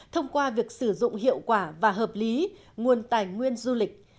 thông qua việc sử dụng hiệu quả và hợp lý nguồn tài nguyên du lịch